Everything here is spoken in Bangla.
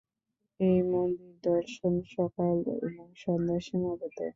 এই মন্দির দর্শন সকাল এবং সন্ধ্যায় সীমাবদ্ধ।